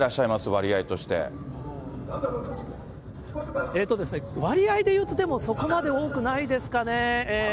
割合とし割合でいうと、そこまで多くないですかね。